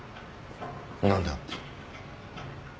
何だ？